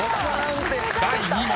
［第２問］